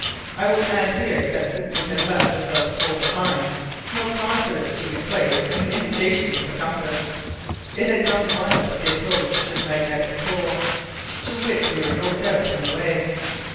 I will add here that since we had left the South Pole behind no confidence could be placed in the indications of the compass; it had gone wild at the approach to the magnetic pole, to which we were no doubt on the way.